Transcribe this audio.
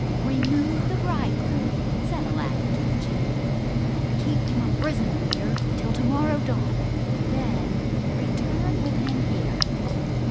"Remove the bridegroom," said Aladdin to the genie, "and keep him a prisoner till to morrow dawn, and then return with him here."